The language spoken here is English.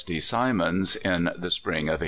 D. Simonds, in the spring of 1855.